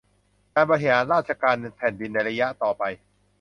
การบริหารราชการแผ่นดินในระยะต่อไป